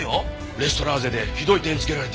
レストラーゼでひどい点付けられて。